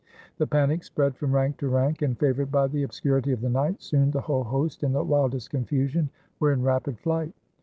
The panic spread from rank to rank, and, favored by the obscurity of the night, soon the whole host, in the wildest confusion, were in rapid flight.